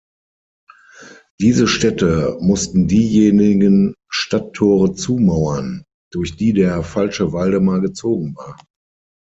Diese Städte mussten diejenigen Stadttore zumauern, durch die der falsche Waldemar gezogen war.